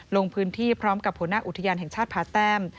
ลงพื้นที่พร้อมกับหัวหน้าอุทยานแห่งชาติผาแต้ม